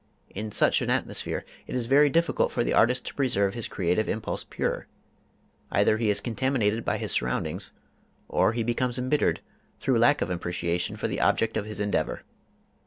In such an atmosphere it is very difficult for the artist to preserve his creative impulse pure: either he is contaminated by his surroundings, or he becomes embittered through lack of appreciation for the object of his endeavor.